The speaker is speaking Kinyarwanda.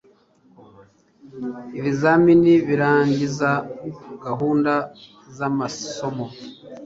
ibizamini birangiza gahunda z amasomo